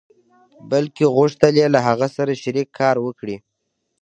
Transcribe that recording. بلکې غوښتل يې له هغه سره شريک کار وکړي.